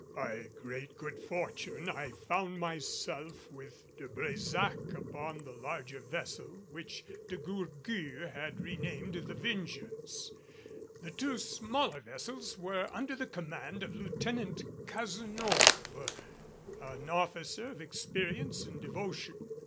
By great good fortune I found myself with De Brésac upon the larger vessel, which De Gourgues had renamed the Vengeance. The two smaller vessels were under the command of Lieutenant Cazenove an officer of experience and devotion.